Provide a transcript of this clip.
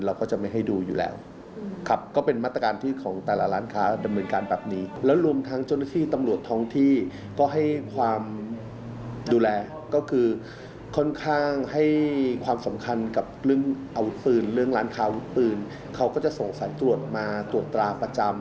เรื่องร้านค้าอาวุธปืนเขาก็จะส่งสายตรวจมาตรวจตราประจำ